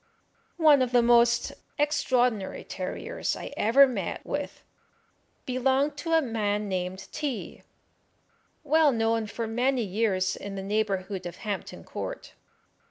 One of the most extraordinary terriers I ever met with belonged to a man named T y, well known for many years in the neighbourhood of Hampton Court.